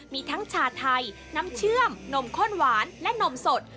มีทั้งชาไทยน้ำเชื่อมนมข้นหวานและนมสด